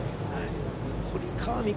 堀川未来